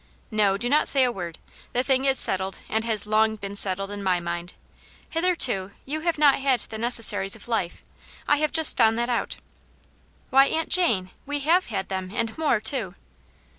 No, do not say a word ; the thing is settled, and has long been settled in my mind. Hitherto you two have not had the necessaries of life ; I have just found that out." "Why, Aunt Jane! We have had them and more, too."